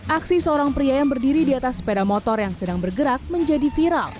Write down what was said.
aksi seorang pria yang berdiri di atas sepeda motor yang sedang bergerak menjadi viral